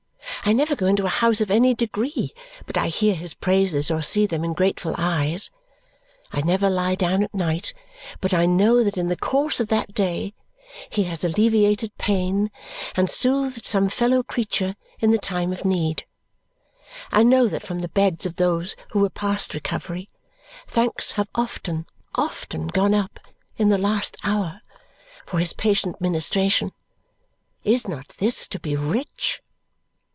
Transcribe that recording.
I never go into a house of any degree but I hear his praises or see them in grateful eyes. I never lie down at night but I know that in the course of that day he has alleviated pain and soothed some fellow creature in the time of need. I know that from the beds of those who were past recovery, thanks have often, often gone up, in the last hour, for his patient ministration. Is not this to be rich?